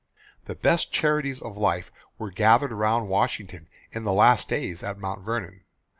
The best charities of life were gathered round Washington in the last days at Mount Vernon.